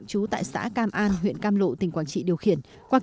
trú tại xã cam an huyện cam lộ tỉnh quảng trị điều khiển